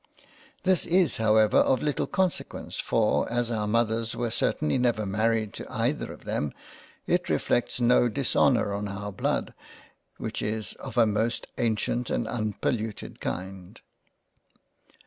This is however of little consequence for as our Mothers were certainly never married to either of them it reflects no Dishonour on our Blood, which is of a most ancient and unpolluted kind.